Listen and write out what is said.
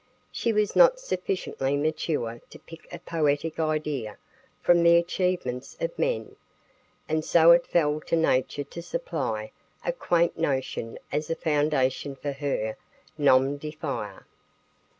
She was not sufficiently mature to pick a poetic idea from the achievements of men, and so it fell to nature to supply a quaint notion as a foundation for her "nom de fire."